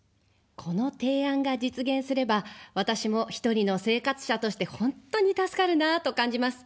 この提案が実現すれば私も１人の生活者として本当に助かるなあと感じます。